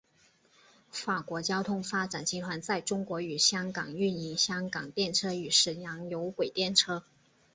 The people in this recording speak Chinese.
法国交通发展集团在中国与香港营运香港电车与沈阳有轨电车。